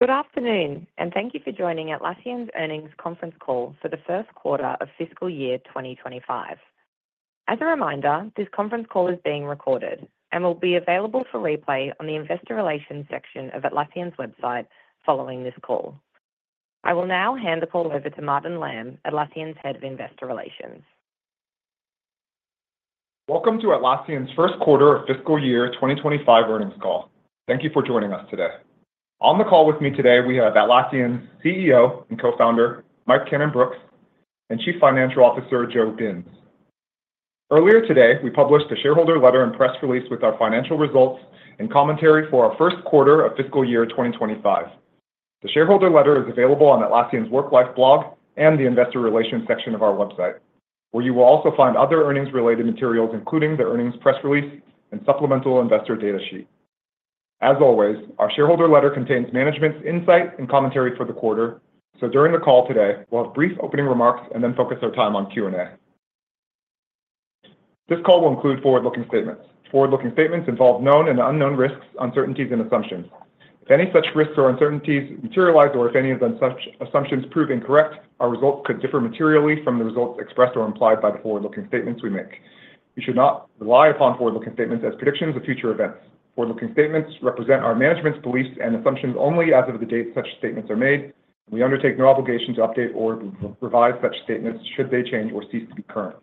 Good afternoon, and thank you for joining Atlassian's earnings conference call for the first quarter of fiscal year 2025. As a reminder, this conference call is being recorded and will be available for replay on the investor relations section of Atlassian's website following this call. I will now hand the call over to Martin Lam, Atlassian's Head of Investor Relations. Welcome to Atlassian's First Quarter of Fiscal Year 2025 Earnings Call. Thank you for joining us today. On the call with me today, we have Atlassian's CEO and co-founder, Mike Cannon-Brookes, and Chief Financial Officer, Joe Binz. Earlier today, we published a shareholder letter and press release with our financial results and commentary for our first quarter of fiscal year 2025. The shareholder letter is available on Atlassian's Work Life blog and the investor relations section of our website, where you will also find other earnings-related materials, including the earnings press release and supplemental investor data sheet. As always, our shareholder letter contains management's insight and commentary for the quarter, so during the call today, we'll have brief opening remarks and then focus our time on Q&A. This call will include forward-looking statements. Forward-looking statements involve known and unknown risks, uncertainties, and assumptions. If any such risks or uncertainties materialize or if any of them such assumptions prove incorrect, our results could differ materially from the results expressed or implied by the forward-looking statements we make. We should not rely upon forward-looking statements as predictions of future events. Forward-looking statements represent our management's beliefs and assumptions only as of the date such statements are made, and we undertake no obligation to update or revise such statements should they change or cease to be current.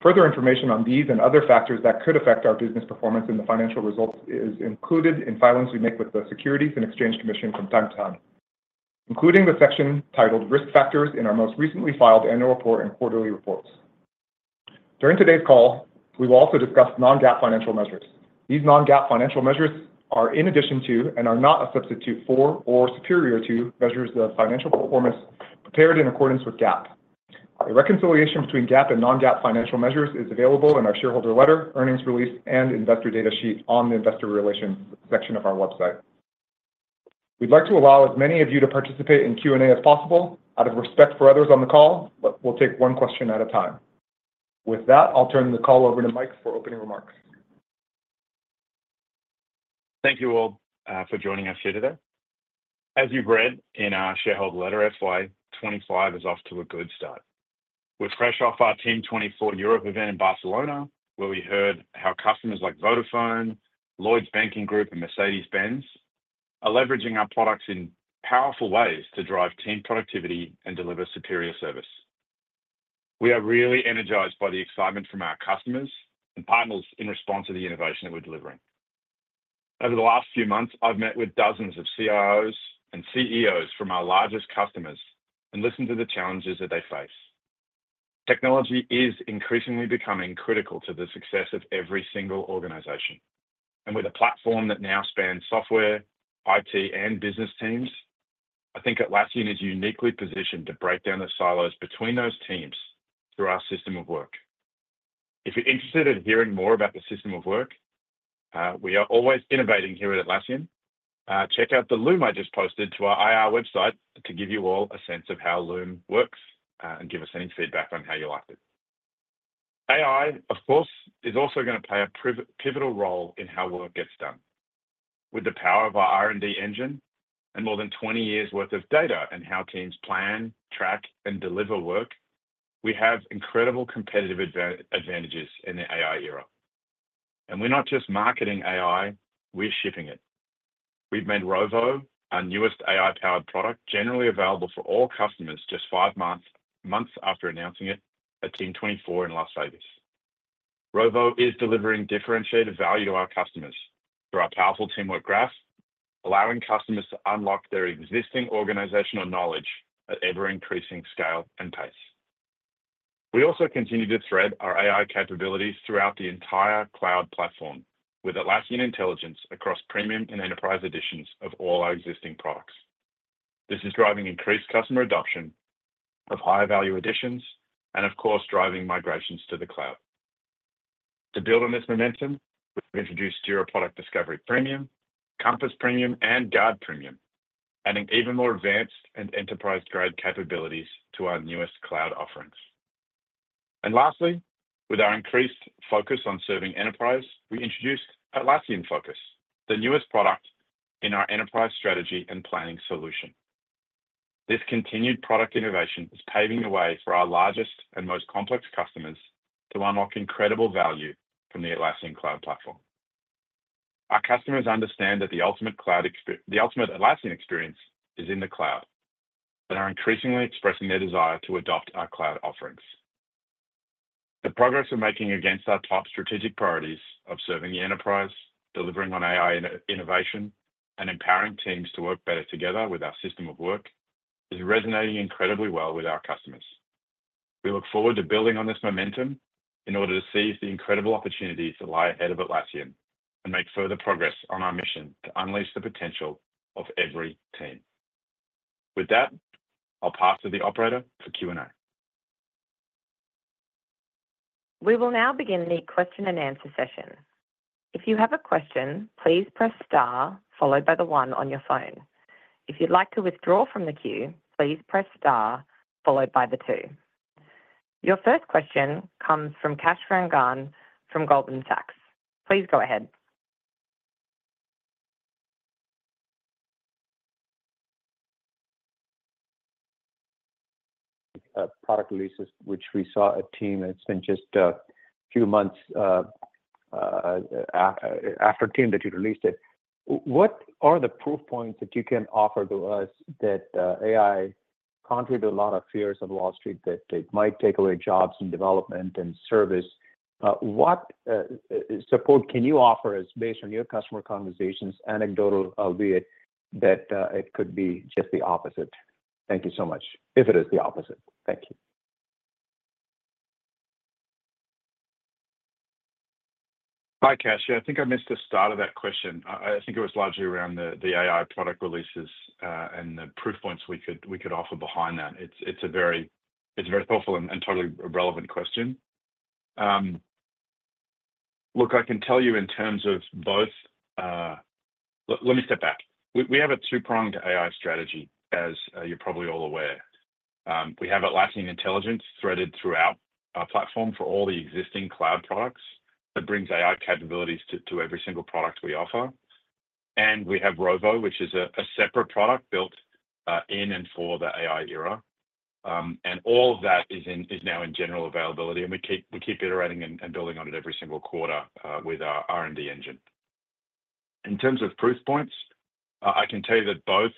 Further information on these and other factors that could affect our business performance and the financial results is included in filings we make with the Securities and Exchange Commission from time to time, including the section titled Risk Factors in our most recently filed annual report and quarterly reports. During today's call, we will also discuss non-GAAP financial measures. These non-GAAP financial measures are in addition to and are not a substitute for or superior to measures of financial performance prepared in accordance with GAAP. A reconciliation between GAAP and non-GAAP financial measures is available in our shareholder letter, earnings release, and investor data sheet on the investor relations section of our website. We'd like to allow as many of you to participate in Q&A as possible out of respect for others on the call, but we'll take one question at a time. With that, I'll turn the call over to Mike for opening remarks. Thank you all for joining us here today. As you've read in our shareholder letter, FY 2025 is off to a good start. We're fresh off our Team '24 Europe event in Barcelona, where we heard how customers like Vodafone, Lloyds Banking Group, and Mercedes-Benz are leveraging our products in powerful ways to drive team productivity and deliver superior service. We are really energized by the excitement from our customers and partners in response to the innovation that we're delivering. Over the last few months, I've met with dozens of CIOs and CEOs from our largest customers and listened to the challenges that they face. Technology is increasingly becoming critical to the success of every single organization, and with a platform that now spans software, IT, and business teams, I think Atlassian is uniquely positioned to break down the silos between those teams through our System of Work. If you're interested in hearing more about the System of Work, we are always innovating here at Atlassian. Check out the Loom I just posted to our IR website to give you all a sense of how Loom works and give us any feedback on how you like it. AI, of course, is also going to play a pivotal role in how work gets done. With the power of our R&D engine and more than 20 years' worth of data and how teams plan, track, and deliver work, we have incredible competitive advantages in the AI era, and we're not just marketing AI, we're shipping it. We've made Rovo, our newest AI-powered product, generally available for all customers just five months after announcing it at Team '24 in Las Vegas. Rovo is delivering differentiated value to our customers through our powerful teamwork graph, allowing customers to unlock their existing organizational knowledge at ever-increasing scale and pace. We also continue to thread our AI capabilities throughout the entire Cloud platform with Atlassian Intelligence across Premium and Enterprise editions of all our existing products. This is driving increased customer adoption of higher value editions and, of course, driving migrations to the Cloud. To build on this momentum, we've introduced Jira Product Discovery Premium, Compass Premium, and Guard Premium, adding even more advanced and Enterprise-grade capabilities to our newest Cloud offerings. And lastly, with our increased focus on serving Enterprise, we introduced Atlassian Focus, the newest product in our Enterprise strategy and planning solution. This continued product innovation is paving the way for our largest and most complex customers to unlock incredible value from the Atlassian Cloud Platform. Our customers understand that the ultimate Atlassian experience is in the Cloud and are increasingly expressing their desire to adopt our Cloud offerings. The progress we're making against our top strategic priorities of serving the Enterprise, delivering on AI innovation, and empowering teams to work better together with our System of Work is resonating incredibly well with our customers. We look forward to building on this momentum in order to seize the incredible opportunities that lie ahead of Atlassian and make further progress on our mission to unleash the potential of every team. With that, I'll pass to the operator for Q&A. We will now begin the question and answer session. If you have a question, please press star followed by the one on your phone. If you'd like to withdraw from the queue, please press star followed by the two. Your first question comes from Kash Rangan from Goldman Sachs. Please go ahead. Product releases, which we saw at Team, and it's been just a few months after Team that you released it. What are the proof points that you can offer to us that AI, contrary to a lot of fears on Wall Street, that it might take away jobs and development and service? What support can you offer us based on your customer conversations, anecdotal, albeit that it could be just the opposite? Thank you so much. If it is the opposite, thank you. Hi, Kash. Yeah, I think I missed the start of that question. I think it was largely around the AI product releases and the proof points we could offer behind that. It's a very thoughtful and totally relevant question. Look, I can tell you in terms of both. Let me step back. We have a two-pronged AI strategy, as you're probably all aware. We have Atlassian Intelligence threaded throughout our platform for all the existing Cloud products that brings AI capabilities to every single product we offer. And we have Rovo, which is a separate product built in and for the AI era. And all of that is now in general availability, and we keep iterating and building on it every single quarter with our R&D engine. In terms of proof points, I can tell you that both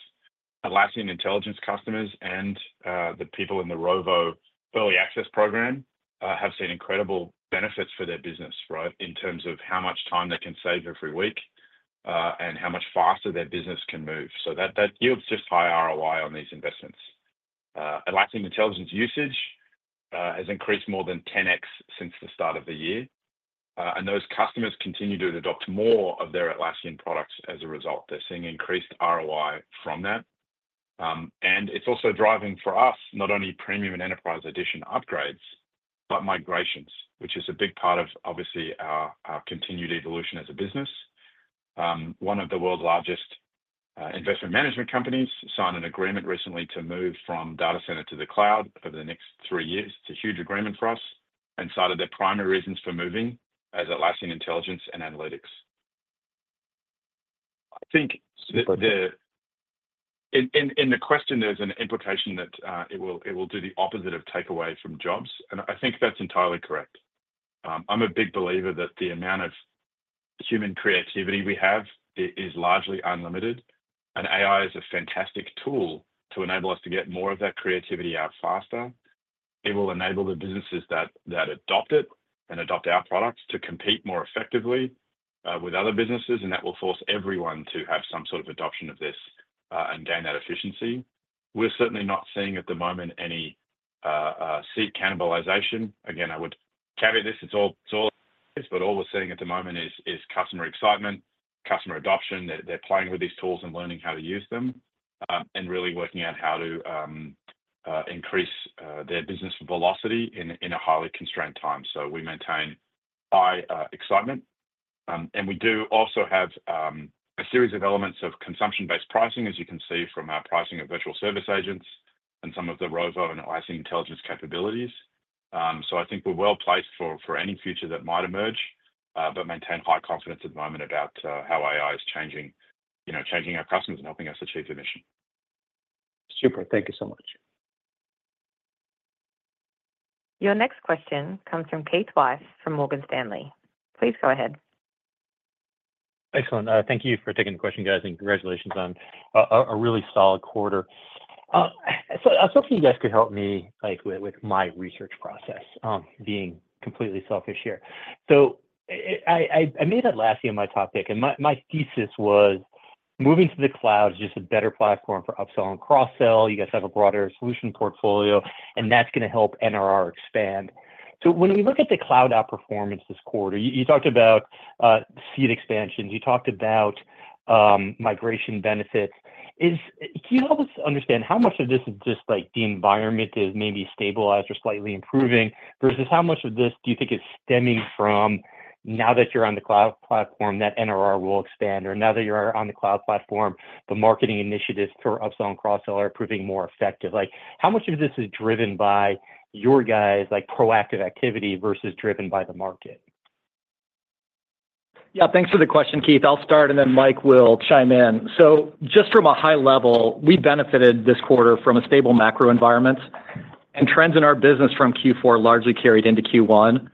Atlassian Intelligence customers and the people in Early Access Program have seen incredible benefits for their business, right, in terms of how much time they can save every week and how much faster their business can move, so that yields just high ROI on these investments. Atlassian Intelligence usage has increased more than 10x since the start of the year, and those customers continue to adopt more of their Atlassian products as a result. They're seeing increased ROI from that, and it's also driving for us not only premium and Enterprise edition upgrades, but migrations, which is a big part of, obviously, our continued evolution as a business. One of the world's largest investment management companies signed an agreement recently to move from Data Center to the Cloud over the next three years. It's a huge agreement for us and cited their primary reasons for moving as Atlassian Intelligence and analytics. I think in the question, there's an implication that it will do the opposite of take away from jobs, and I think that's entirely correct. I'm a big believer that the amount of human creativity we have is largely unlimited, and AI is a fantastic tool to enable us to get more of that creativity out faster. It will enable the businesses that adopt it and adopt our products to compete more effectively with other businesses, and that will force everyone to have some sort of adoption of this and gain that efficiency. We're certainly not seeing at the moment any seat cannibalization. Again, I would caveat this, but all we're seeing at the moment is customer excitement, customer adoption. They're playing with these tools and learning how to use them and really working out how to increase their business velocity in a highly constrained time. So we maintain high excitement, and we do also have a series of elements of consumption-based pricing, as you can see from our pricing of virtual service agents and some of the Rovo and Atlassian Intelligence capabilities. So I think we're well placed for any future that might emerge, but maintain high confidence at the moment about how AI is changing our customers and helping us achieve the mission. Super. Thank you so much. Your next question comes from Keith Weiss from Morgan Stanley. Please go ahead. Excellent. Thank you for taking the question, guys, and congratulations on a really solid quarter. So I thought you guys could help me with my research process, being completely selfish here. So I made Atlassian my topic, and my thesis was moving to the Cloud is just a better platform for upsell and cross-sell. You guys have a broader solution portfolio, and that's going to help NRR expand. So when we look at the Cloud outperformance this quarter, you talked about seat expansions, you talked about migration benefits. Can you help us understand how much of this is just like the environment is maybe stabilized or slightly improving versus how much of this do you think is stemming from now that you're on the Cloud platform that NRR will expand or now that you're on the Cloud platform, the marketing initiatives for upsell and cross-sell are proving more effective? How much of this is driven by your guys' proactive activity versus driven by the market? Yeah, thanks for the question, Keith. I'll start, and then Mike will chime in. So just from a high level, we benefited this quarter from a stable macro environment, and trends in our business from Q4 largely carried into Q1.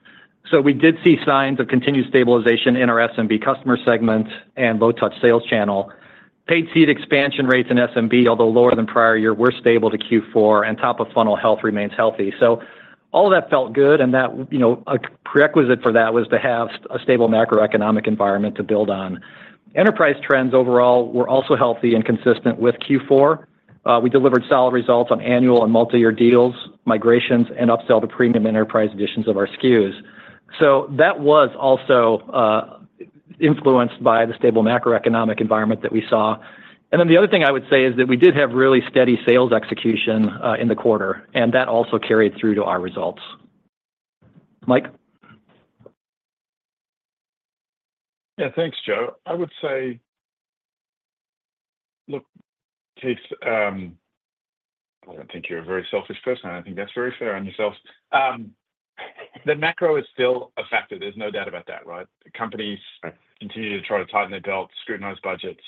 So we did see signs of continued stabilization in our SMB customer segment and low-touch sales channel. Paid seat expansion rates in SMB, although lower than prior year, were stable to Q4, and top-of-funnel health remains healthy. So all of that felt good, and a prerequisite for that was to have a stable macroeconomic environment to build on. Enterprise trends overall were also healthy and consistent with Q4. We delivered solid results on annual and multi-year deals, migrations, and upsell to premium Enterprise editions of our SKUs. So that was also influenced by the stable macroeconomic environment that we saw. And then the other thing I would say is that we did have really steady sales execution in the quarter, and that also carried through to our results. Mike. Yeah, thanks, Joe. I would say, look, Keith, I don't think you're a very selfish person, and I think that's very fair on yourself. The macro is still affected. There's no doubt about that, right? Companies continue to try to tighten their belts, scrutinize budgets.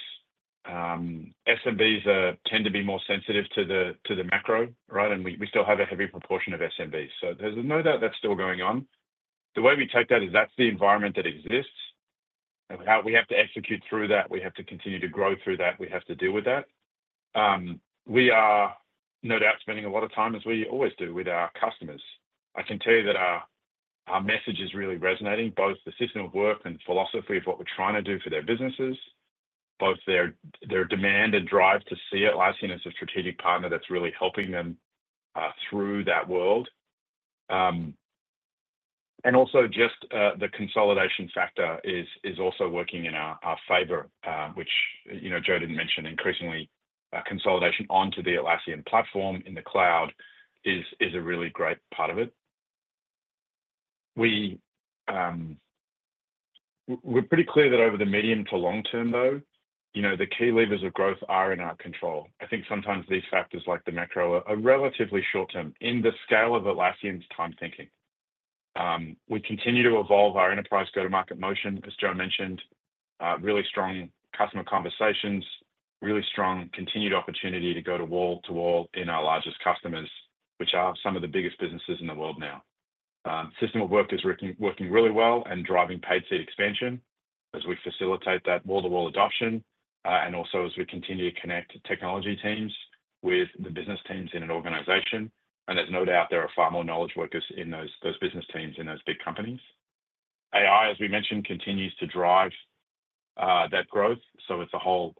SMBs tend to be more sensitive to the macro, right? And we still have a heavy proportion of SMBs. So there's no doubt that's still going on. The way we take that is that's the environment that exists. We have to execute through that. We have to continue to grow through that. We have to deal with that. We are no doubt spending a lot of time, as we always do, with our customers. I can tell you that our message is really resonating, both the System of Work and the philosophy of what we're trying to do for their businesses, both their demand and drive to see Atlassian as a strategic partner that's really helping them through that world. And also just the consolidation factor is also working in our favor, which Joe didn't mention. Increasingly, consolidation onto the Atlassian platform in the Cloud is a really great part of it. We're pretty clear that over the medium to long term, though, the key levers of growth are in our control. I think sometimes these factors like the macro are relatively short-term in the scale of Atlassian's time thinking. We continue to evolve our Enterprise go-to-market motion, as Joe mentioned, really strong customer conversations, really strong continued opportunity to go to wall-to-wall in our largest customers, which are some of the biggest businesses in the world now. System of Work is working really well and driving paid seat expansion as we facilitate that wall-to-wall adoption and also as we continue to connect technology teams with the business teams in an organization, and there's no doubt there are far more knowledge workers in those business teams in those big companies. AI, as we mentioned, continues to drive that growth, so it's a whole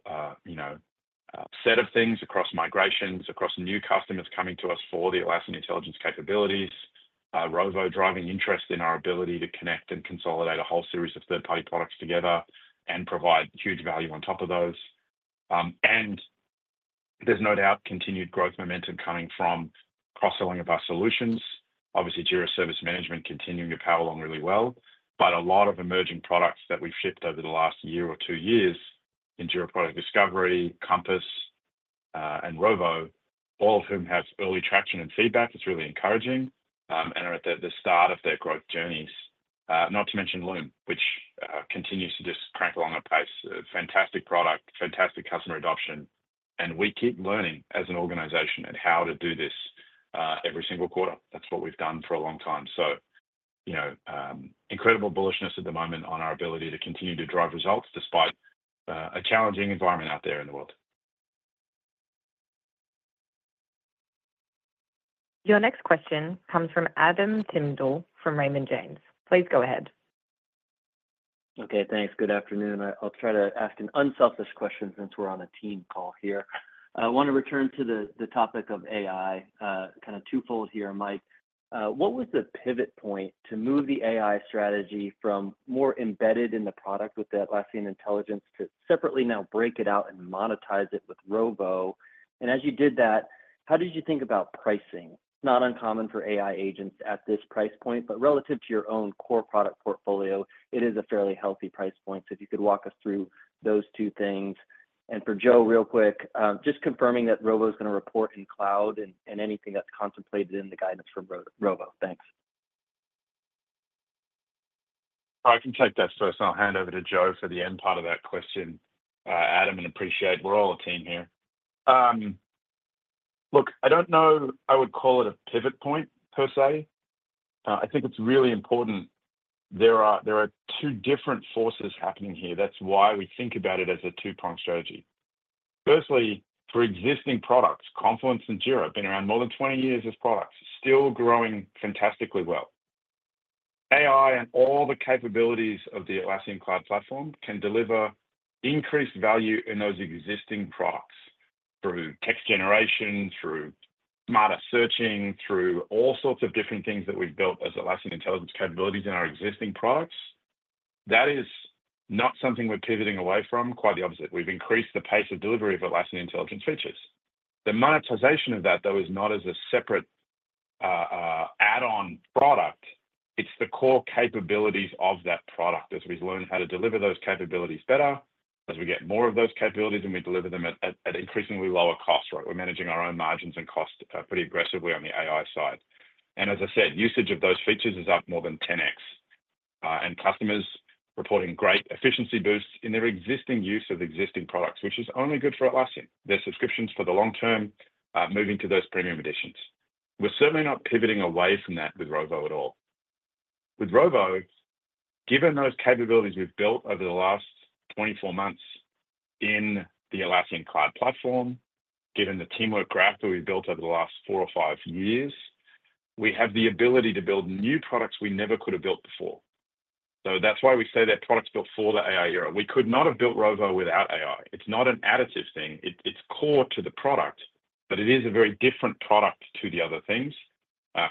set of things across migrations, across new customers coming to us for the Atlassian Intelligence capabilities, Rovo driving interest in our ability to connect and consolidate a whole series of third-party products together and provide huge value on top of those. There's no doubt continued growth momentum coming from cross-selling of our solutions. Obviously, Jira Service Management continuing to power along really well, but a lot of emerging products that we've shipped over the last year or two years in Jira Product Discovery, Compass, and Rovo, all of whom have early traction and feedback, it's really encouraging and are at the start of their growth journeys. Not to mention Loom, which continues to just crank along at pace. Fantastic product, fantastic customer adoption, and we keep learning as an organization and how to do this every single quarter. That's what we've done for a long time. So incredible bullishness at the moment on our ability to continue to drive results despite a challenging environment out there in the world. Your next question comes from Adam Tindle from Raymond James. Please go ahead. Okay, thanks. Good afternoon. I'll try to ask an unselfish question since we're on a team call here. I want to return to the topic of AI, kind of twofold here, Mike. What was the pivot point to move the AI strategy from more embedded in the product with the Atlassian Intelligence to separately now break it out and monetize it with Rovo? And as you did that, how did you think about pricing? It's not uncommon for AI agents at this price point, but relative to your own core product portfolio, it is a fairly healthy price point. So if you could walk us through those two things. And for Joe, real quick, just confirming that Rovo is going to report in Cloud and anything that's contemplated in the guidance from Rovo. Thanks. I can take that first, and I'll hand over to Joe for the end part of that question. Adam, I appreciate it. We're all a team here. Look, I don't know if I would call it a pivot point per se. I think it's really important. There are two different forces happening here. That's why we think about it as a two-pronged strategy. Firstly, for existing products, Confluence and Jira have been around more than 20 years as products, still growing fantastically well. AI and all the capabilities of the Atlassian Cloud Platform can deliver increased value in those existing products through text generation, through smarter searching, through all sorts of different things that we've built as Atlassian Intelligence capabilities in our existing products. That is not something we're pivoting away from. Quite the opposite. We've increased the pace of delivery of Atlassian Intelligence features. The monetization of that, though, is not as a separate add-on product. It's the core capabilities of that product as we've learned how to deliver those capabilities better, as we get more of those capabilities, and we deliver them at increasingly lower costs. We're managing our own margins and costs pretty aggressively on the AI side. And as I said, usage of those features is up more than 10x, and customers are reporting great efficiency boosts in their existing use of existing products, which is only good for Atlassian. Their subscriptions for the long term are moving to those premium editions. We're certainly not pivoting away from that with Rovo at all. With Rovo, given those capabilities we've built over the last 24 months in the Atlassian Cloud Platform, given the teamwork graph that we've built over the last four or five years, we have the ability to build new products we never could have built before. So that's why we say they're products built for the AI era. We could not have built Rovo without AI. It's not an additive thing. It's core to the product, but it is a very different product to the other things.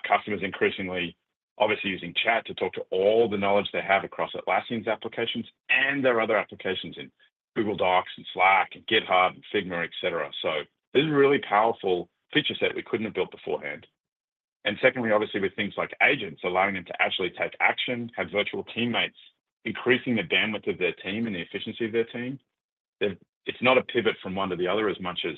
Customers are increasingly obviously using chat to talk to all the knowledge they have across Atlassian's applications and their other applications in Google Docs and Slack and GitHub and Figma, etc. So this is a really powerful feature set we couldn't have built beforehand. And secondly, obviously, with things like agents, allowing them to actually take action, have virtual teammates, increasing the bandwidth of their team and the efficiency of their team, it's not a pivot from one to the other as much as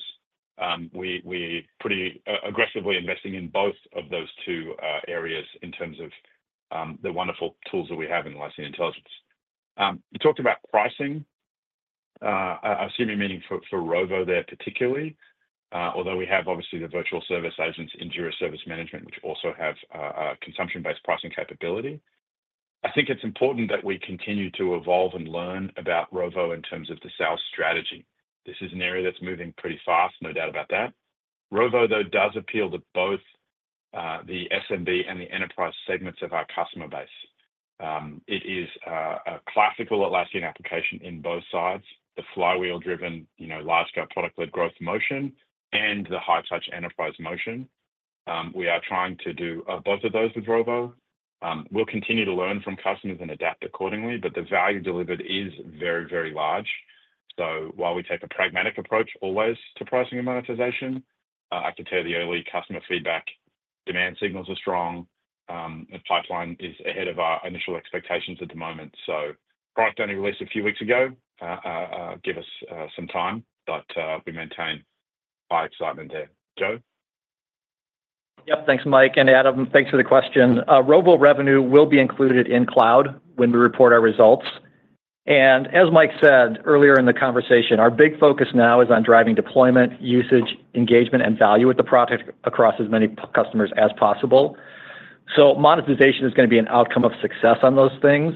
we're pretty aggressively investing in both of those two areas in terms of the wonderful tools that we have in Atlassian Intelligence. You talked about pricing. I assume you're meaning for Rovo there particularly, although we have obviously the virtual service agents in Jira Service Management, which also have consumption-based pricing capability. I think it's important that we continue to evolve and learn about Rovo in terms of the sales strategy. This is an area that's moving pretty fast, no doubt about that. Rovo, though, does appeal to both the SMB and the Enterprise segments of our customer base. It is a classical Atlassian application in both sides, the flywheel-driven, large-scale product-led growth motion and the high-touch Enterprise motion. We are trying to do both of those with Rovo. We'll continue to learn from customers and adapt accordingly, but the value delivered is very, very large. So while we take a pragmatic approach always to pricing and monetization, I can tell you the early customer feedback, demand signals are strong. The pipeline is ahead of our initial expectations at the moment. So product only released a few weeks ago. Give us some time, but we maintain high excitement there. Joe. Yep, thanks, Mike. And Adam, thanks for the question. Rovo revenue will be included in Cloud when we report our results. And as Mike said earlier in the conversation, our big focus now is on driving deployment, usage, engagement, and value with the product across as many customers as possible. So monetization is going to be an outcome of success on those things.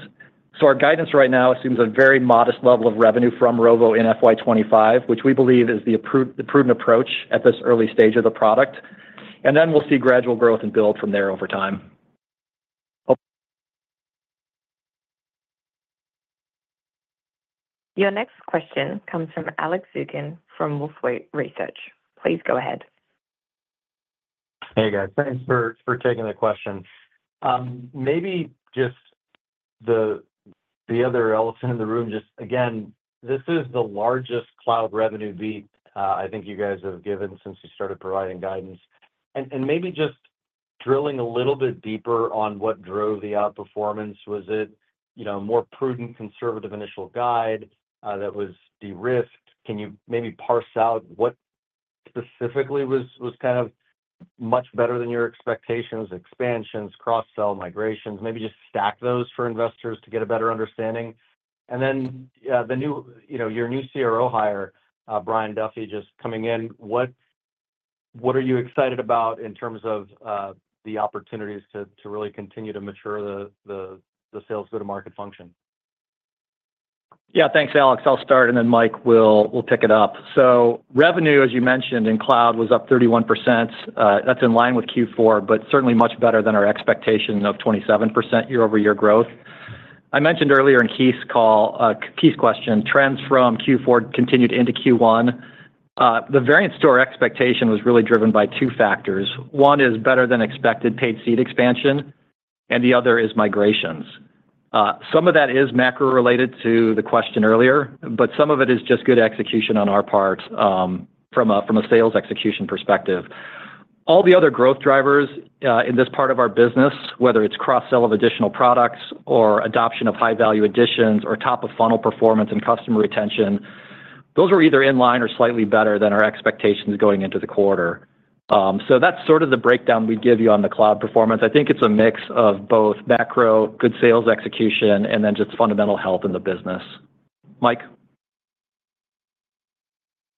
So our guidance right now assumes a very modest level of revenue from Rovo in FY 2025, which we believe is the prudent approach at this early stage of the product. And then we'll see gradual growth and build from there over time. Your next question comes from Alex Zukin from Wolfe Research. Please go ahead. Hey, guys. Thanks for taking the question. Maybe just the other elephant in the room, just again, this is the largest Cloud revenue beat I think you guys have given since you started providing guidance. And maybe just drilling a little bit deeper on what drove the outperformance. Was it a more prudent, conservative initial guide that was de-risked? Can you maybe parse out what specifically was kind of much better than your expectations, expansions, cross-sell migrations? Maybe just stack those for investors to get a better understanding. And then your new CRO hire, Brian Duffy, just coming in. What are you excited about in terms of the opportunities to really continue to mature the sales go-to-market function? Yeah, thanks, Alex. I'll start, and then Mike will pick it up. So revenue, as you mentioned, in Cloud was up 31%. That's in line with Q4, but certainly much better than our expectation of 27% year-over-year growth. I mentioned earlier in Keith's question, trends from Q4 continued into Q1. The variance to our expectation was really driven by two factors. One is better-than-expected paid seat expansion, and the other is migrations. Some of that is macro-related to the question earlier, but some of it is just good execution on our part from a sales execution perspective. All the other growth drivers in this part of our business, whether it's cross-sell of additional products or adoption of high-value additions or top-of-funnel performance and customer retention, those were either in line or slightly better than our expectations going into the quarter. So that's sort of the breakdown we'd give you on the Cloud performance. I think it's a mix of both macro good sales execution and then just fundamental health in the business. Mike.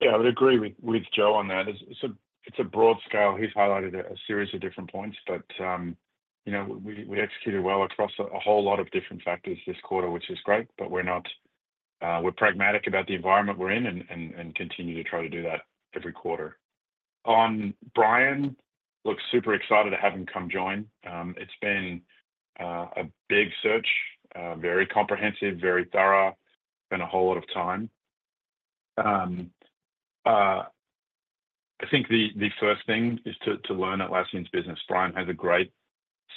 Yeah, I would agree with Joe on that. It's a broad scale. He's highlighted a series of different points, but we executed well across a whole lot of different factors this quarter, which is great, but we're pragmatic about the environment we're in and continue to try to do that every quarter. On Brian, looks super excited to have him come join. It's been a big search, very comprehensive, very thorough, spent a whole lot of time. I think the first thing is to learn Atlassian's business. Brian has a great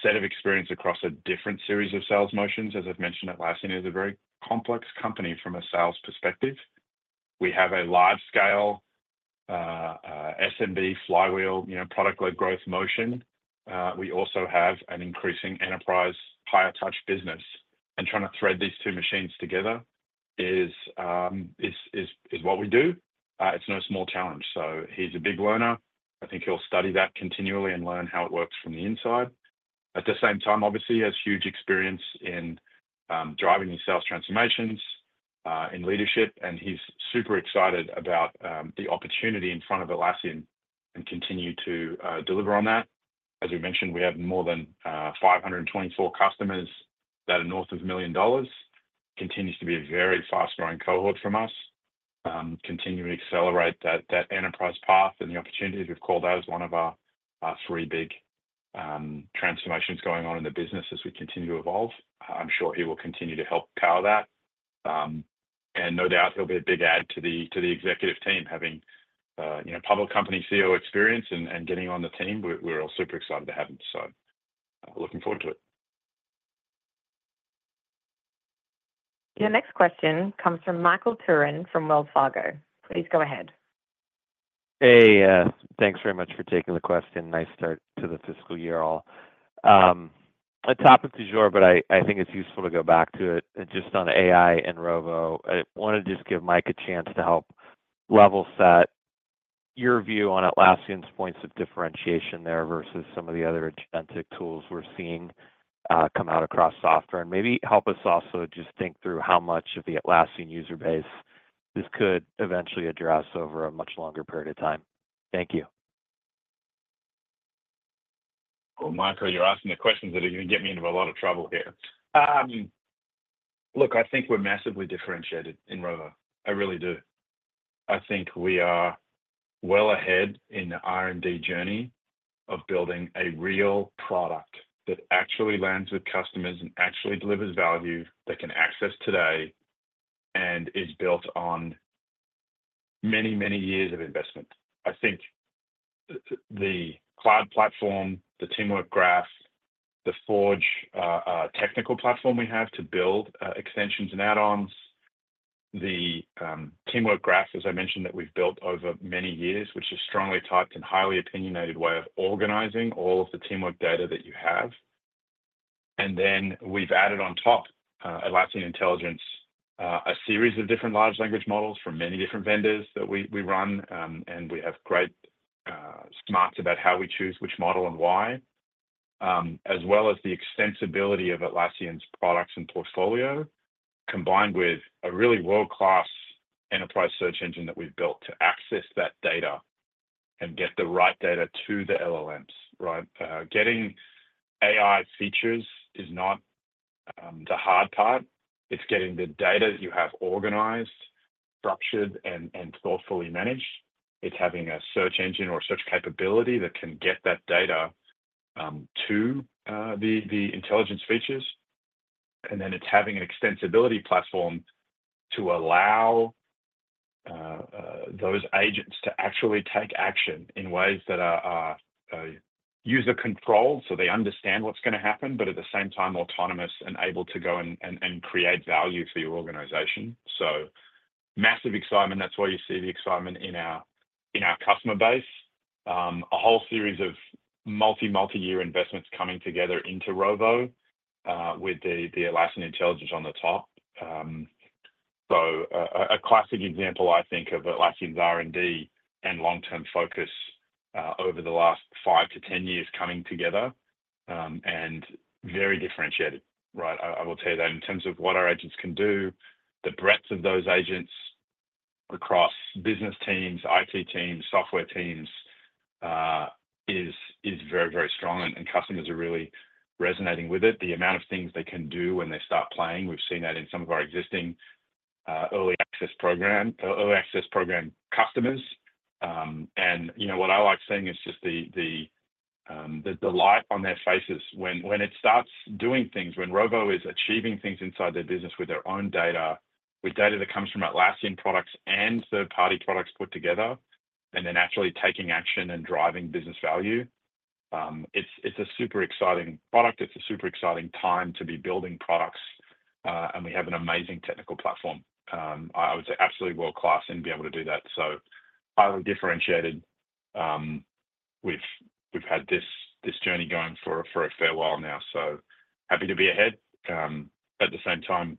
set of experience across a different series of sales motions. As I've mentioned, Atlassian is a very complex company from a sales perspective. We have a large-scale SMB flywheel product-led growth motion. We also have an increasing Enterprise higher-touch business, and trying to thread these two machines together is what we do. It's no small challenge. So he's a big learner. I think he'll study that continually and learn how it works from the inside. At the same time, obviously, he has huge experience in driving his sales transformations in leadership, and he's super excited about the opportunity in front of Atlassian and continue to deliver on that. As we mentioned, we have more than 524 customers that are north of $1 million. Continues to be a very fast-growing cohort from us. Continue to accelerate that Enterprise path and the opportunity to be called out as one of our three big transformations going on in the business as we continue to evolve. I'm sure he will continue to help power that. And no doubt he'll be a big add to the executive team, having public company CEO experience and getting on the team. We're all super excited to have him, so looking forward to it. Your next question comes from Michael Turin from Wells Fargo. Please go ahead. Hey, thanks very much for taking the question. Nice start to the fiscal year, all. A topic to Joe, but I think it's useful to go back to it. Just on AI and Rovo, I wanted to just give Mike a chance to help level set your view on Atlassian's points of differentiation there versus some of the other agentic tools we're seeing come out across software and maybe help us also just think through how much of the Atlassian user base this could eventually address over a much longer period of time. Thank you. Michael, you're asking the questions that are going to get me into a lot of trouble here. Look, I think we're massively differentiated in Rovo. I really do. I think we are well ahead in the R&D journey of building a real product that actually lands with customers and actually delivers value that can access today and is built on many, many years of investment. I think the Cloud platform, the teamwork graph, the Forge technical platform we have to build extensions and add-ons, the teamwork graph, as I mentioned, that we've built over many years, which is a strongly typed and highly opinionated way of organizing all of the teamwork data that you have. And then we've added on top Atlassian Intelligence, a series of different large language models from many different vendors that we run, and we have great smarts about how we choose which model and why, as well as the extensibility of Atlassian's products and portfolio combined with a really world-class Enterprise search engine that we've built to access that data and get the right data to the LLMs. Getting AI features is not the hard part. It's getting the data that you have organized, structured, and thoughtfully managed. It's having a search engine or search capability that can get that data to the intelligence features. And then it's having an extensibility platform to allow those agents to actually take action in ways that are user-controlled so they understand what's going to happen, but at the same time autonomous and able to go and create value for your organization. So massive excitement. That's why you see the excitement in our customer base. A whole series of multi, multi-year investments coming together into Rovo with the Atlassian Intelligence on the top. So a classic example, I think, of Atlassian's R&D and long-term focus over the last five to 10 years coming together and very differentiated. I will tell you that in terms of what our agents can do, the breadth of those agents across business teams, IT teams, software teams is very, very strong, and customers are really resonating with it. The amount of things they can do when they start playing, we've seen that in some of our existing Early Access Program customers. What I like seeing is just the light on their faces when it starts doing things, when Rovo is achieving things inside their business with their own data, with data that comes from Atlassian products and third-party products put together, and then actually taking action and driving business value. It's a super exciting product. It's a super exciting time to be building products, and we have an amazing technical platform. I would say absolutely world-class and be able to do that. So highly differentiated. We've had this journey going for a fair while now, so happy to be ahead. At the same time,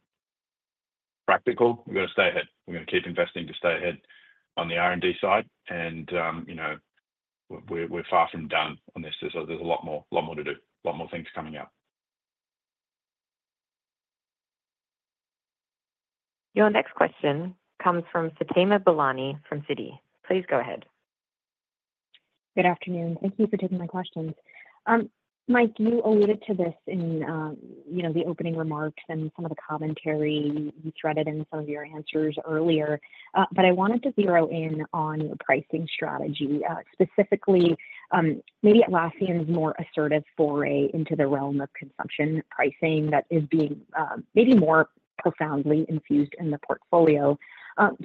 practical. We're going to stay ahead. We're going to keep investing to stay ahead on the R&D side, and we're far from done on this. There's a lot more to do, a lot more things coming up. Your next question comes from Fatima Boolani from Citi. Please go ahead. Good afternoon. Thank you for taking my questions. Mike, you alluded to this in the opening remarks and some of the commentary you threaded in some of your answers earlier, but I wanted to zero in on your pricing strategy, specifically maybe Atlassian's more assertive foray into the realm of consumption pricing that is being maybe more profoundly infused in the portfolio.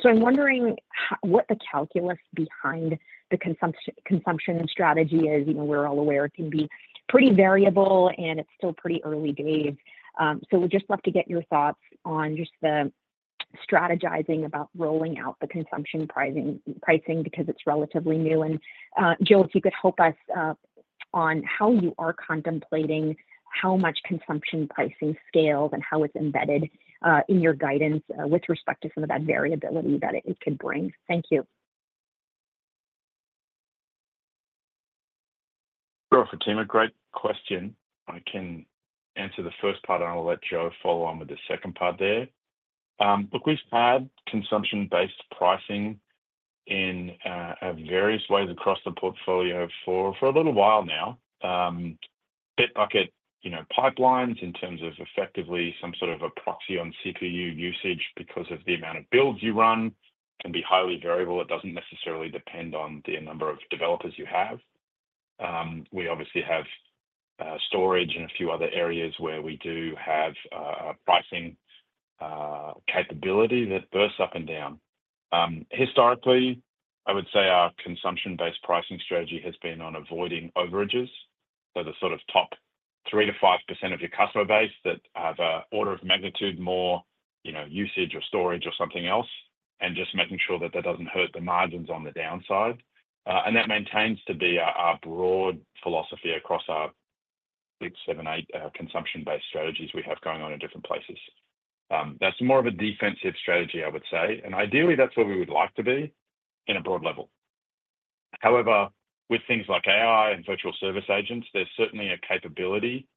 So I'm wondering what the calculus behind the consumption strategy is. We're all aware it can be pretty variable, and it's still pretty early days. So we're just left to get your thoughts on just the strategizing about rolling out the consumption pricing because it's relatively new. And Joe, if you could help us on how you are contemplating how much consumption pricing scales and how it's embedded in your guidance with respect to some of that variability that it could bring. Thank you. Sure. Fatima, great question. I can answer the first part, and I'll let Joe follow on with the second part there. Look, we've had consumption-based pricing in various ways across the portfolio for a little while now. Bitbucket Pipelines in terms of effectively some sort of a proxy on CPU usage because of the amount of builds you run can be highly variable. It doesn't necessarily depend on the number of developers you have. We obviously have storage and a few other areas where we do have pricing capability that bursts up and down. Historically, I would say our consumption-based pricing strategy has been on avoiding overages. So the sort of top 3%-5% of your customer base that have an order of magnitude more usage or storage or something else, and just making sure that that doesn't hurt the margins on the downside. And that maintains to be our broad philosophy across our six, seven, eight consumption-based strategies we have going on in different places. That's more of a defensive strategy, I would say. And ideally, that's where we would like to be in a broad level. However, with things like AI and virtual service agents, there's certainly a capability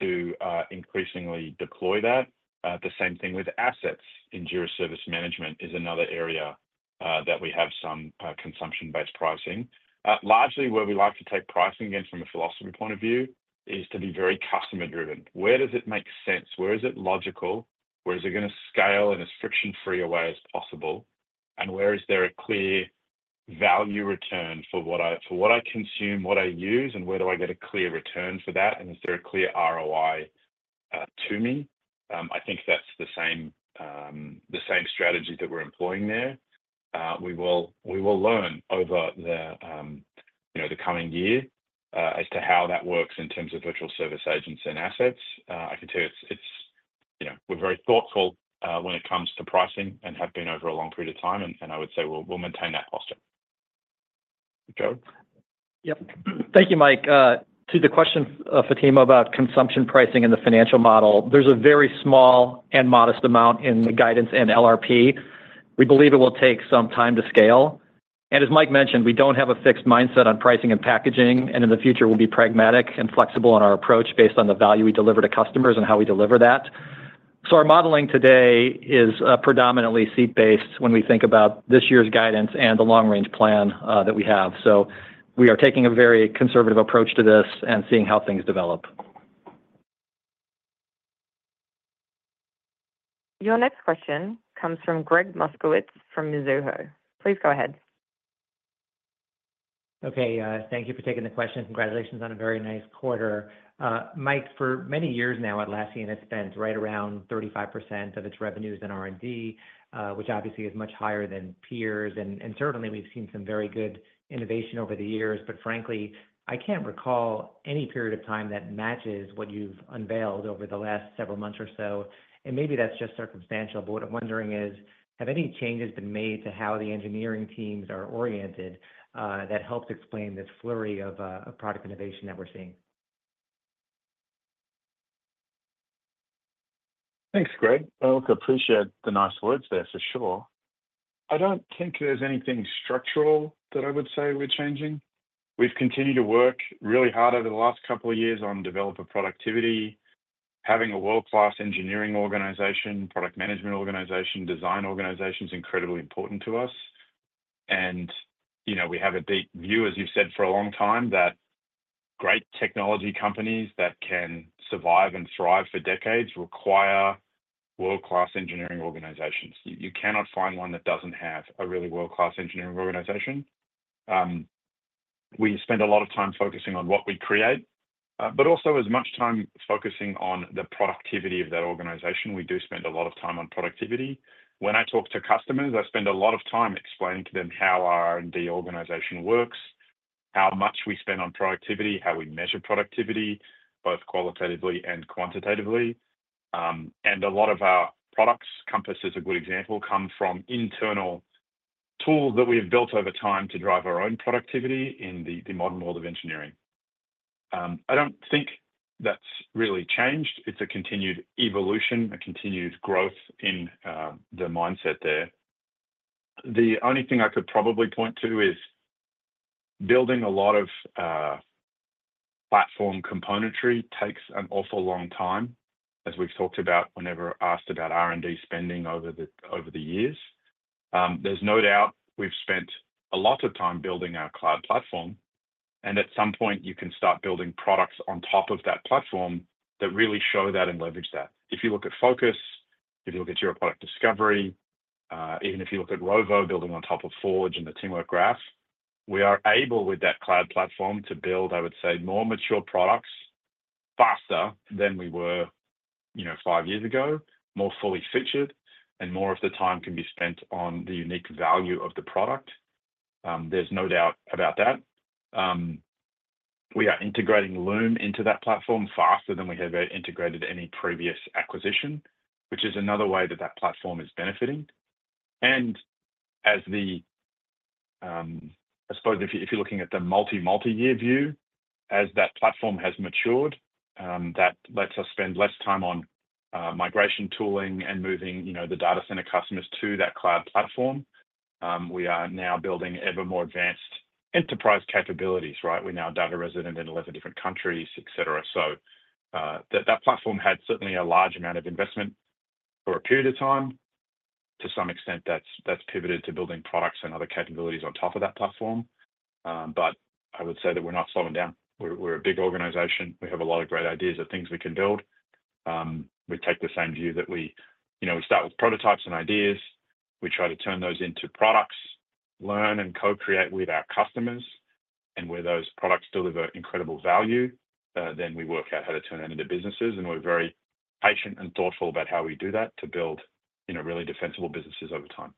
to increasingly deploy that. The same thing with Assets in Jira Service Management is another area that we have some consumption-based pricing. Largely, where we like to take pricing again from a philosophy point of view is to be very customer-driven. Where does it make sense? Where is it logical? Where is it going to scale in as friction-free a way as possible? And where is there a clear value return for what I consume, what I use, and where do I get a clear return for that? And is there a clear ROI to me? I think that's the same strategy that we're employing there. We will learn over the coming year as to how that works in terms of virtual service agents and Assets. I can tell you we're very thoughtful when it comes to pricing and have been over a long period of time, and I would say we'll maintain that posture. Joe? Yep. Thank you, Mike. To the question, Fatima, about consumption pricing and the financial model, there's a very small and modest amount in the guidance and LRP. We believe it will take some time to scale, and as Mike mentioned, we don't have a fixed mindset on pricing and packaging, and in the future, we'll be pragmatic and flexible on our approach based on the value we deliver to customers and how we deliver that, so our modeling today is predominantly seat-based when we think about this year's guidance and the long-range plan that we have, so we are taking a very conservative approach to this and seeing how things develop. Your next question comes from Gregg Moskowitz from Mizuho. Please go ahead. Okay. Thank you for taking the question. Congratulations on a very nice quarter. Mike, for many years now, Atlassian has spent right around 35% of its revenues in R&D, which obviously is much higher than peers. And certainly, we've seen some very good innovation over the years, but frankly, I can't recall any period of time that matches what you've unveiled over the last several months or so. And maybe that's just circumstantial, but what I'm wondering is, have any changes been made to how the engineering teams are oriented that help to explain this flurry of product innovation that we're seeing? Thanks, Gregg. I appreciate the nice words there, for sure. I don't think there's anything structural that I would say we're changing. We've continued to work really hard over the last couple of years on developer productivity. Having a world-class engineering organization, product management organization, design organization is incredibly important to us. And we have a deep view, as you've said, for a long time that great technology companies that can survive and thrive for decades require world-class engineering organizations. You cannot find one that doesn't have a really world-class engineering organization. We spend a lot of time focusing on what we create, but also as much time focusing on the productivity of that organization. We do spend a lot of time on productivity. When I talk to customers, I spend a lot of time explaining to them how our R&D organization works, how much we spend on productivity, how we measure productivity, both qualitatively and quantitatively. And a lot of our products, Compass is a good example, come from internal tools that we have built over time to drive our own productivity in the modern world of engineering. I don't think that's really changed. It's a continued evolution, a continued growth in the mindset there. The only thing I could probably point to is building a lot of platform componentry takes an awful long time, as we've talked about whenever asked about R&D spending over the years. There's no doubt we've spent a lot of time building our Cloud platform, and at some point, you can start building products on top of that platform that really show that and leverage that. If you look at Focus, if you look at Jira Product Discovery, even if you look at Rovo building on top of Forge and the teamwork graph, we are able with that Cloud platform to build, I would say, more mature products faster than we were five years ago, more fully featured, and more of the time can be spent on the unique value of the product. There's no doubt about that. We are integrating Loom into that platform faster than we have integrated any previous acquisition, which is another way that that platform is benefiting. And I suppose if you're looking at the multi-multi-year view, as that platform has matured, that lets us spend less time on migration tooling and moving the data center customers to that Cloud platform. We are now building ever more advanced Enterprise capabilities. We're now data resident in 11 different countries, etc. So that platform had certainly a large amount of investment for a period of time. To some extent, that's pivoted to building products and other capabilities on top of that platform. But I would say that we're not slowing down. We're a big organization. We have a lot of great ideas of things we can build. We take the same view that we start with prototypes and ideas. We try to turn those into products, learn and co-create with our customers. And where those products deliver incredible value, then we work out how to turn that into businesses. And we're very patient and thoughtful about how we do that to build really defensible businesses over time.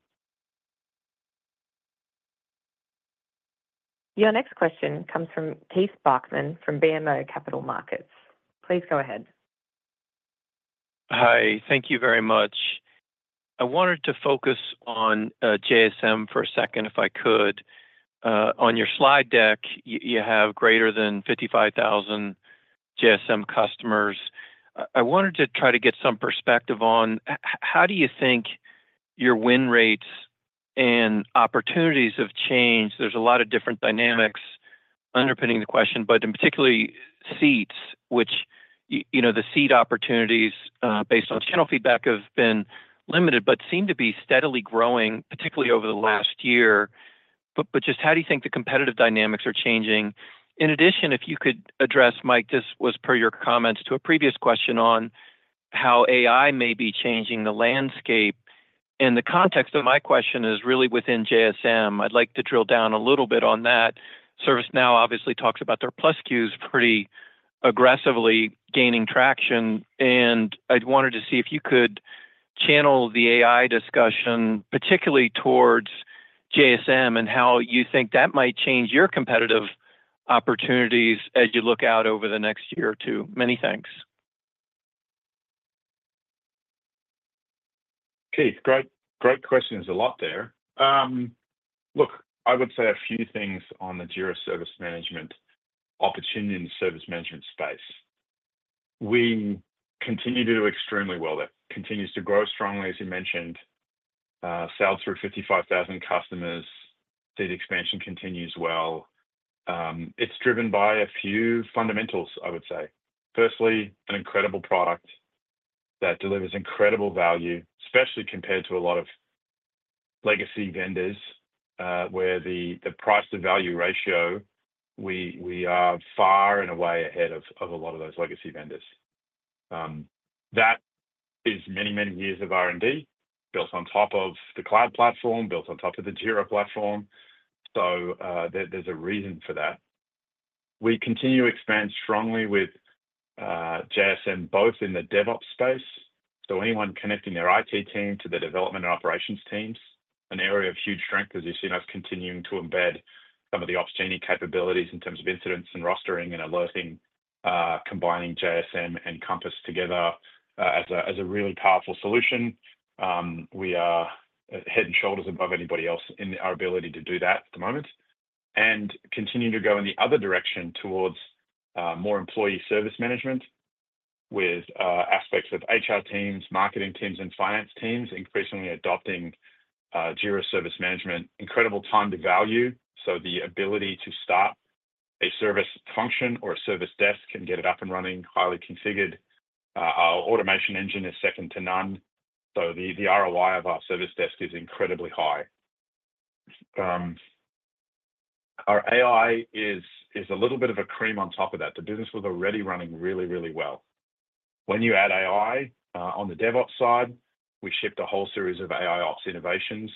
Your next question comes from Keith Bachman from BMO Capital Markets. Please go ahead. Hi. Thank you very much. I wanted to focus on JSM for a second, if I could. On your slide deck, you have greater than 55,000 JSM customers. I wanted to try to get some perspective on how do you think your win rates and opportunities have changed? There's a lot of different dynamics underpinning the question, but in particular, seats, which the seat opportunities based on channel feedback have been limited but seem to be steadily growing, particularly over the last year. But just how do you think the competitive dynamics are changing? In addition, if you could address, Mike, this was per your comments to a previous question on how AI may be changing the landscape. And the context of my question is really within JSM. I'd like to drill down a little bit on that. ServiceNow obviously talks about their Plus SKUs pretty aggressively gaining traction. I wanted to see if you could channel the AI discussion, particularly towards JSM, and how you think that might change your competitive opportunities as you look out over the next year or two. Many thanks. Okay. Great questions. A lot there. Look, I would say a few things on the Jira Service Management opportunity in the service management space. We continue to do extremely well there. It continues to grow strongly, as you mentioned. Sell through 55,000 customers. Seat expansion continues well. It's driven by a few fundamentals, I would say. Firstly, an incredible product that delivers incredible value, especially compared to a lot of legacy vendors where the price-to-value ratio, we are far and away ahead of a lot of those legacy vendors. That is many, many years of R&D built on top of the Cloud platform, built on top of the Jira platform. So there's a reason for that. We continue to expand strongly with JSM, both in the DevOps space. So anyone connecting their IT team to the development and operations teams, an area of huge strength, as you see us continuing to embed some of the opportunity capabilities in terms of incidents and rostering and alerting, combining JSM and Compass together as a really powerful solution. We are head and shoulders above anybody else in our ability to do that at the moment, and continue to go in the other direction towards more employee service management with aspects of HR teams, marketing teams, and finance teams increasingly adopting Jira Service Management. Incredible time to value. So the ability to start a service function or a service desk and get it up and running highly configured. Our automation engine is second to none, so the ROI of our service desk is incredibly high. Our AI is a little bit of a cream on top of that. The business was already running really, really well. When you add AI on the DevOps side, we shipped a whole series of AIOps innovations,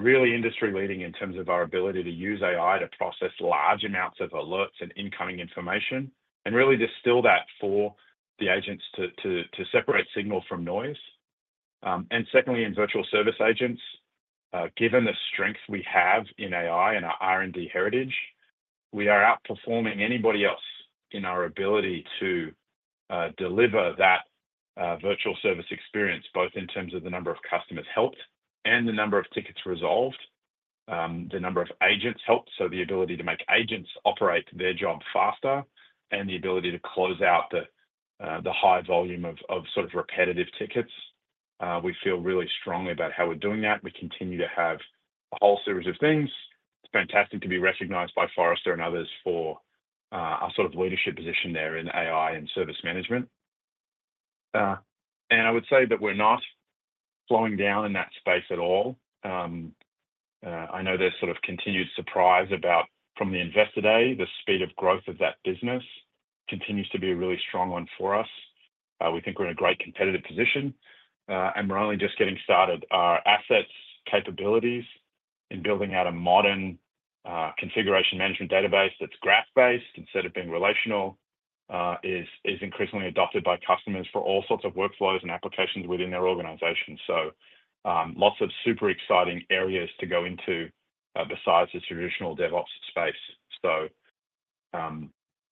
really industry-leading in terms of our ability to use AI to process large amounts of alerts and incoming information and really distill that for the agents to separate signal from noise. And secondly, in virtual service agents, given the strength we have in AI and our R&D heritage, we are outperforming anybody else in our ability to deliver that virtual service experience, both in terms of the number of customers helped and the number of tickets resolved, the number of agents helped. So the ability to make agents operate their job faster and the ability to close out the high volume of sort of repetitive tickets. We feel really strongly about how we're doing that. We continue to have a whole series of things. It's fantastic to be recognized by Forrester and others for our sort of leadership position there in AI and service management. And I would say that we're not slowing down in that space at all. I know there's sort of continued surprise about from the investor day, the speed of growth of that business continues to be a really strong one for us. We think we're in a great competitive position, and we're only just getting started. Our Assets, capabilities in building out a modern configuration management database that's graph-based instead of being relational is increasingly adopted by customers for all sorts of workflows and applications within their organization. So lots of super exciting areas to go into besides the traditional DevOps space. So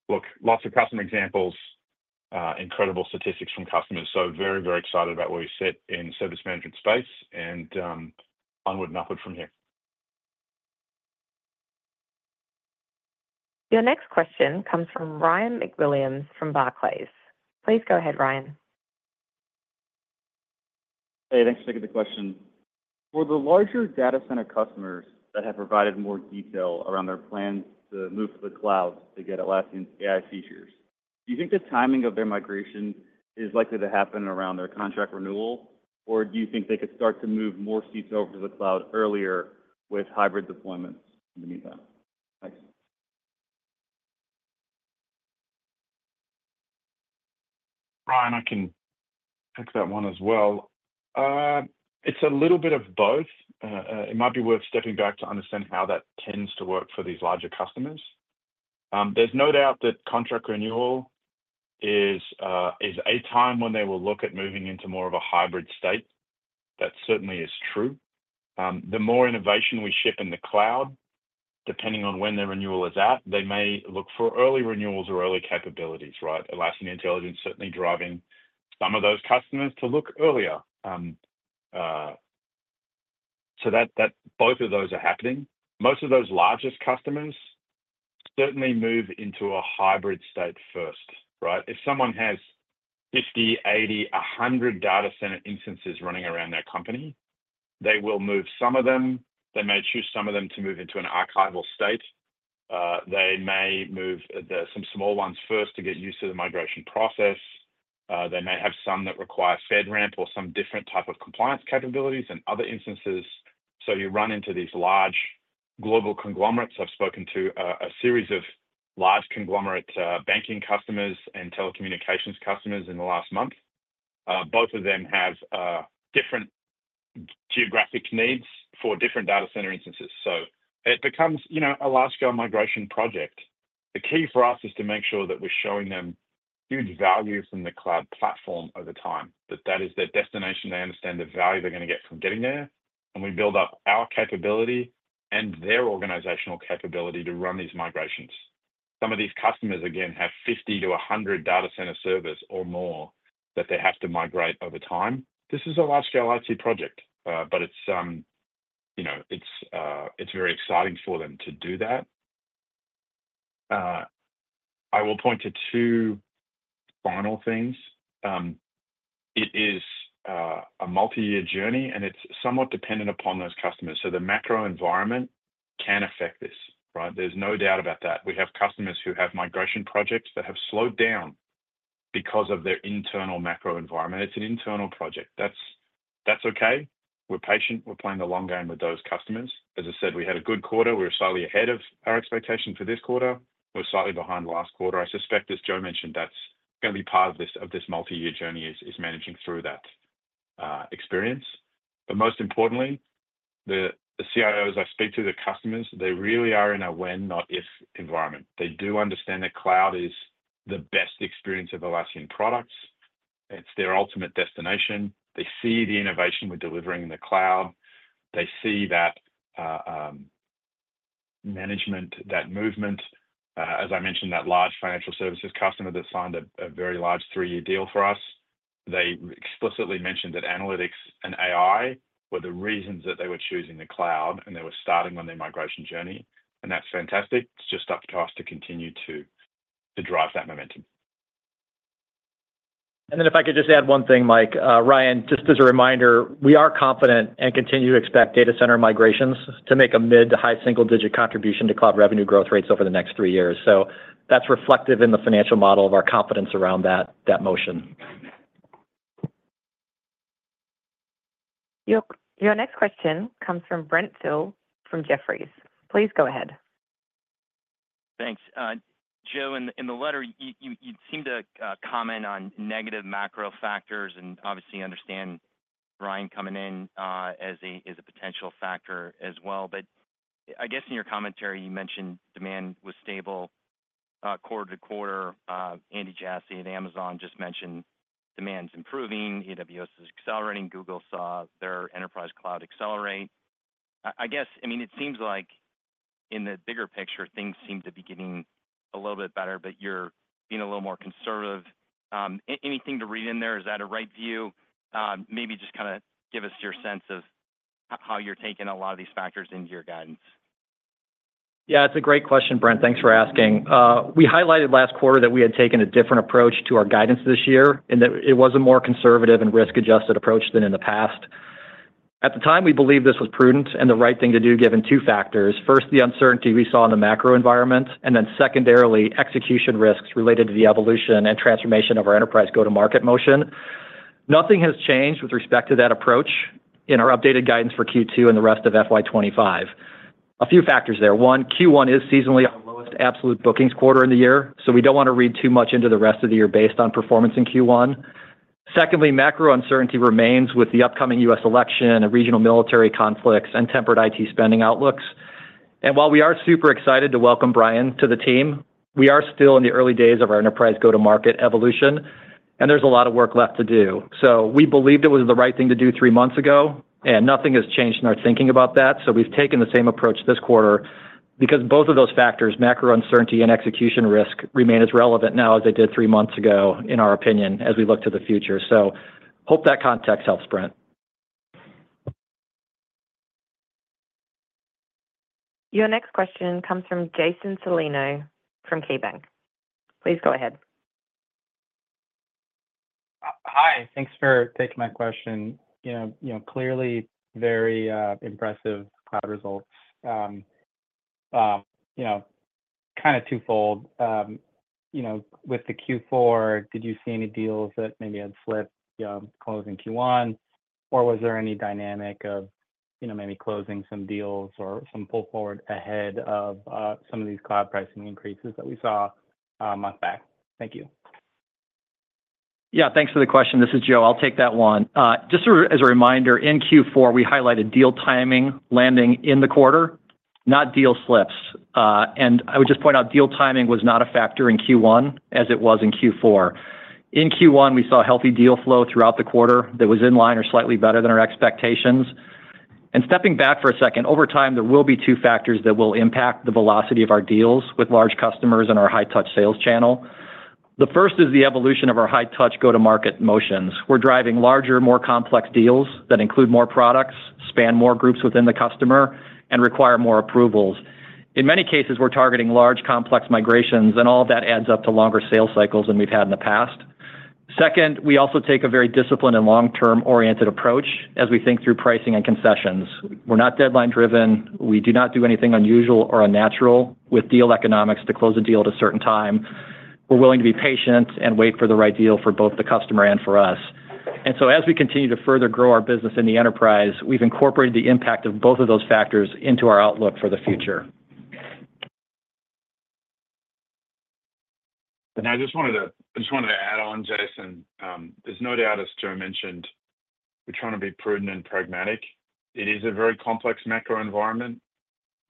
look, lots of customer examples, incredible statistics from customers. So very, very excited about where we sit in the service management space and onward and upward from here. Your next question comes from Ryan MacWilliams from Barclays. Please go ahead, Ryan. Hey, thanks for taking the question. For the larger data center customers that have provided more detail around their plans to move to the Cloud to get Atlassian's AI features, do you think the timing of their migration is likely to happen around their contract renewal, or do you think they could start to move more seats over to the Cloud earlier with hybrid deployments in the meantime? Thanks. Ryan, I can pick that one as well. It's a little bit of both. It might be worth stepping back to understand how that tends to work for these larger customers. There's no doubt that contract renewal is a time when they will look at moving into more of a hybrid state. That certainly is true. The more innovation we ship in the Cloud, depending on when their renewal is at, they may look for early renewals or early capabilities, right? Atlassian Intelligence is certainly driving some of those customers to look earlier. So both of those are happening. Most of those largest customers certainly move into a hybrid state first, right? If someone has 50, 80, 100 data center instances running around their company, they will move some of them. They may choose some of them to move into an archival state. They may move some small ones first to get used to the migration process. They may have some that require FedRAMP or some different type of compliance capabilities in other instances. So you run into these large global conglomerates. I've spoken to a series of large conglomerate banking customers and telecommunications customers in the last month. Both of them have different geographic needs for different data center instances. So it becomes a large-scale migration project. The key for us is to make sure that we're showing them huge value from the Cloud platform over time, that that is their destination. They understand the value they're going to get from getting there. We build up our capability and their organizational capability to run these migrations. Some of these customers, again, have 50-100 data center servers or more that they have to migrate over time. This is a large-scale IT project, but it's very exciting for them to do that. I will point to two final things. It is a multi-year journey, and it's somewhat dependent upon those customers. So the macro environment can affect this, right? There's no doubt about that. We have customers who have migration projects that have slowed down because of their internal macro environment. It's an internal project. That's okay. We're patient. We're playing the long game with those customers. As I said, we had a good quarter. We were slightly ahead of our expectations for this quarter. We're slightly behind last quarter. I suspect, as Joe mentioned, that's going to be part of this multi-year journey is managing through that experience. But most importantly, the CIOs I speak to, the customers, they really are in a when-not-if environment. They do understand that Cloud is the best experience of Atlassian products. It's their ultimate destination. They see the innovation we're delivering in the Cloud. They see that management, that movement. As I mentioned, that large financial services customer that signed a very large three-year deal for us, they explicitly mentioned that analytics and AI were the reasons that they were choosing the Cloud, and they were starting on their migration journey. And that's fantastic. It's just up to us to continue to drive that momentum. And then, if I could just add one thing, Mike. Ryan, just as a reminder, we are confident and continue to expect data center migrations to make a mid- to high single-digit contribution to Cloud revenue growth rates over the next three years. So that's reflective in the financial model of our confidence around that motion. Your next question comes from Brent Thill from Jefferies. Please go ahead. Thanks. Joe, in the letter, you seem to comment on negative macro factors and obviously understand Brian coming in as a potential factor as well. But I guess in your commentary, you mentioned demand was stable quarter to quarter. Andy Jassy at Amazon just mentioned demand's improving. AWS is accelerating. Google saw their Enterprise Cloud accelerate. I guess, I mean, it seems like in the bigger picture, things seem to be getting a little bit better, but you're being a little more conservative. Anything to read in there? Is that a right view? Maybe just kind of give us your sense of how you're taking a lot of these factors into your guidance. Yeah, it's a great question, Brent. Thanks for asking. We highlighted last quarter that we had taken a different approach to our guidance this year and that it was a more conservative and risk-adjusted approach than in the past. At the time, we believed this was prudent and the right thing to do given two factors. First, the uncertainty we saw in the macro environment, and then secondarily, execution risks related to the evolution and transformation of our Enterprise go-to-market motion. Nothing has changed with respect to that approach in our updated guidance for Q2 and the rest of FY 2025. A few factors there. One, Q1 is seasonally our lowest absolute bookings quarter in the year, so we don't want to read too much into the rest of the year based on performance in Q1. Secondly, macro uncertainty remains with the upcoming U.S. election and regional military conflicts and tempered IT spending outlooks. And while we are super excited to welcome Brian to the team, we are still in the early days of our Enterprise go-to-market evolution, and there's a lot of work left to do. So we believed it was the right thing to do three months ago, and nothing has changed in our thinking about that. So we've taken the same approach this quarter because both of those factors, macro uncertainty and execution risk, remain as relevant now as they did three months ago, in our opinion, as we look to the future. So hope that context helps, Brent. Your next question comes from Jason Celino from KeyBanc Capital Markets. Please go ahead. Hi. Thanks for taking my question. Clearly, very impressive Cloud results. Kind of two-fold. With the Q4, did you see any deals that maybe had slipped closing Q1, or was there any dynamic of maybe closing some deals or some pull forward ahead of some of these Cloud pricing increases that we saw a month back? Thank you. Yeah, thanks for the question. This is Joe. I'll take that one. Just as a reminder, in Q4, we highlighted deal timing landing in the quarter, not deal slips, and I would just point out deal timing was not a factor in Q1 as it was in Q4. In Q1, we saw healthy deal flow throughout the quarter that was in line or slightly better than our expectations, and stepping back for a second, over time, there will be two factors that will impact the velocity of our deals with large customers and our high-touch sales channel. The first is the evolution of our high-touch go-to-market motions. We're driving larger, more complex deals that include more products, span more groups within the customer, and require more approvals. In many cases, we're targeting large, complex migrations, and all of that adds up to longer sales cycles than we've had in the past. Second, we also take a very disciplined and long-term oriented approach as we think through pricing and concessions. We're not deadline-driven. We do not do anything unusual or unnatural with deal economics to close a deal at a certain time. We're willing to be patient and wait for the right deal for both the customer and for us. And so as we continue to further grow our business in the Enterprise, we've incorporated the impact of both of those factors into our outlook for the future. And I just wanted to add on, Jason. There's no doubt, as Joe mentioned, we're trying to be prudent and pragmatic. It is a very complex macro environment.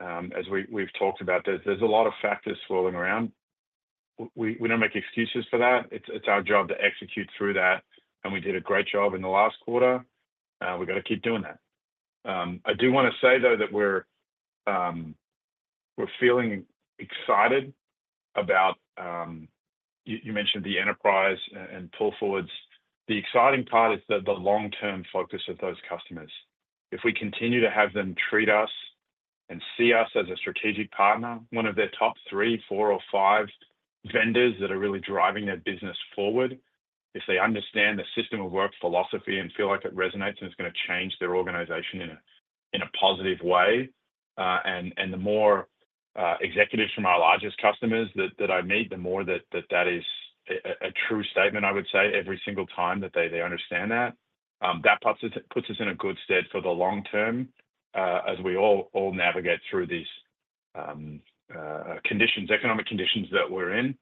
As we've talked about, there's a lot of factors swirling around. We don't make excuses for that. It's our job to execute through that. And we did a great job in the last quarter. We've got to keep doing that. I do want to say, though, that we're feeling excited about you mentioned the Enterprise and pull forwards. The exciting part is the long-term focus of those customers. If we continue to have them treat us and see us as a strategic partner, one of their top three, four, or five vendors that are really driving their business forward, if they understand the System of Work philosophy and feel like it resonates and it's going to change their organization in a positive way, and the more executives from our largest customers that I meet, the more that that is a true statement, I would say, every single time that they understand that, that puts us in a good stead for the long term as we all navigate through these economic conditions that we're in.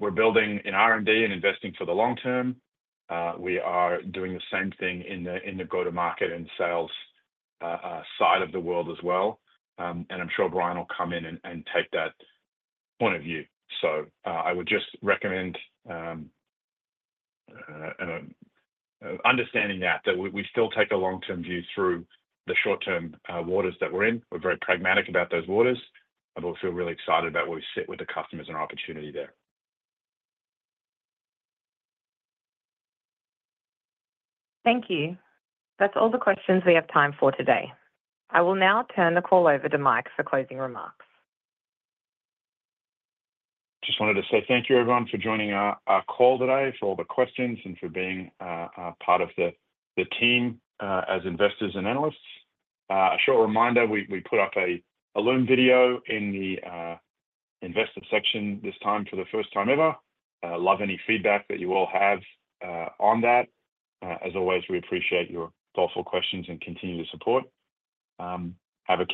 We're building in R&D and investing for the long term. We are doing the same thing in the go-to-market and sales side of the world as well, and I'm sure Brian will come in and take that point of view. So I would just recommend understanding that we still take a long-term view through the short-term waters that we're in. We're very pragmatic about those waters, but we feel really excited about where we sit with the customers and our opportunity there. Thank you. That's all the questions we have time for today. I will now turn the call over to Mike for closing remarks. Just wanted to say thank you, everyone, for joining our call today, for all the questions, and for being part of the team as investors and analysts. A short reminder, we put up a Loom video in the investor section this time for the first time ever. Love any feedback that you all have on that. As always, we appreciate your thoughtful questions and continue to support. Have a great.